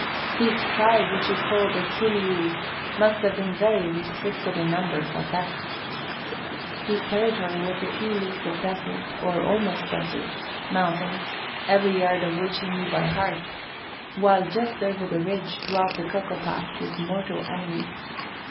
His tribe, which he called the Kil ee ou, must have been very restricted in numbers at best. His territory was a few leagues of desert, or almost desert, mountains, every yard of which he knew by heart, while just over the ridge dwelt the Cocopahs, his mortal enemies.